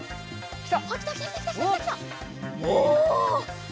きた！